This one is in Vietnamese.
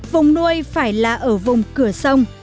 vùng nuôi phải là ở vùng cửa sông